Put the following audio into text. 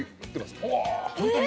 ホントに？